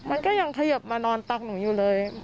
มันก็ยังเขยิบมานอนตักหนูอยู่เลย